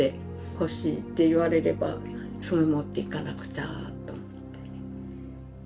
「欲しい」って言われればすぐ持っていかなくちゃと思って。